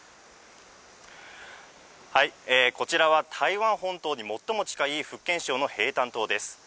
こちらは台湾本島に最も近い福建省のへいたん島です。